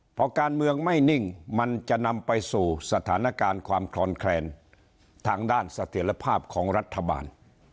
พอการเมืองไม่นิ่งมันจะนำไปสู่สถานการณ์ความคลอนแคลนทางด้านเสถียรภาพของรัฐบาล